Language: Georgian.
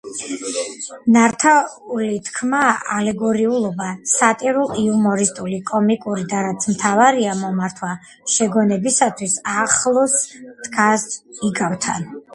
ნართაული თქმა, ალეგორიულობა, სატირულ-იუმორისტული, კომიკური და რაც მთავარია, მომართვა შეგონებისათვის ახლოს დგას იგავთან.